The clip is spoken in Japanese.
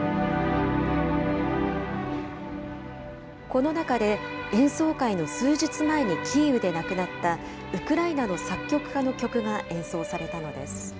この中で、演奏会の数日前にキーウで亡くなったウクライナの作曲家の曲が演奏されたのです。